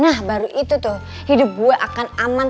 nah baru itu tuh hidup gue akan aman